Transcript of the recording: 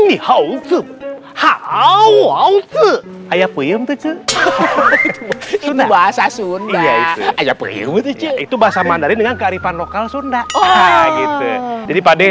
itu bahasa sunda asal sehari hari yaitu bahasa mandarin dengan kearifan lokal sunda jadi pade